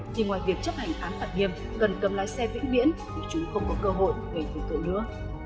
thì ngoài việc chấp hành án phạt nghiêm cần cầm lái xe vĩnh biển để chúng không có cơ hội gây thủ tượng nữa